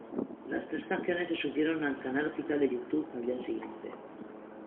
Las tres canciones se subieron al canal oficial de Youtube al día siguiente.